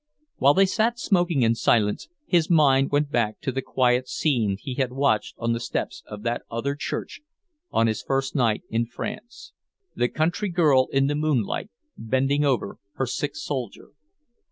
While they sat smoking in silence, his mind went back to the quiet scene he had watched on the steps of that other church, on his first night in France; the country girl in the moonlight, bending over her sick soldier.